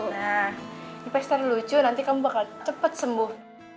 nah ini plaster lucu nanti kamu bakal cepet sembuh